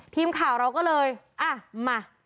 ทีมข่าวเราก็เลยอ่ะมา